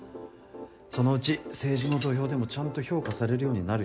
そのうち政治の土俵でもちゃんと評価されるようになる人だ。